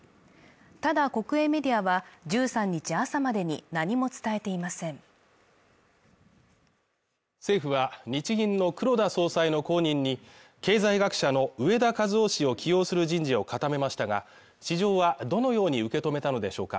ただ国営メディアは１３日朝までに何も伝えていません政府は日銀の黒田総裁の後任に経済学者の植田和男氏を起用する人事を固めましたが市場はどのように受け止めたのでしょうか